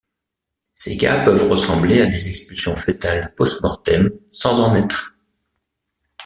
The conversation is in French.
Ces cas peuvent ressembler à des expulsions fœtales post-mortem sans en être.